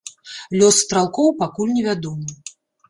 Лёс стралкоў пакуль невядомы.